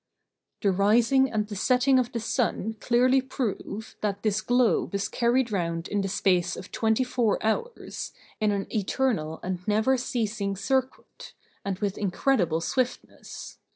The rising and the setting of the sun clearly prove, that this globe is carried round in the space of twenty four hours, in an eternal and never ceasing circuit, and with incredible swiftness.